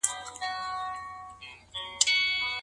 ماشومان په کوم عمر کي لمونځ زده کوي؟